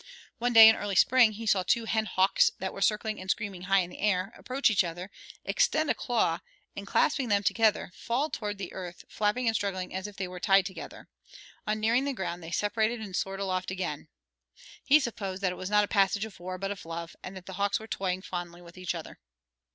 One day in early spring he saw two hen hawks that were circling and screaming high in air, approach each other, extend a claw, and, clasping them together, fall toward the earth flapping and struggling as if they were tied together; on nearing the ground they separated and soared aloft again. He supposed that it was not a passage of war but of love, and that the hawks were toying fondly with each other.